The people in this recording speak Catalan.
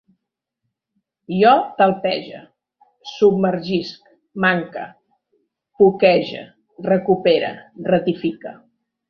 Jo talpege, submergisc, manque, poquege, recupere, ratifique